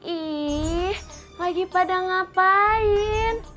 ih lagi pada ngapain